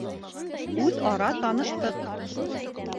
Үҙ-ара таныштыҡ.